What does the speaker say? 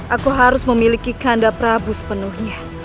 aku harus memiliki kehadap prabu sepenuhnya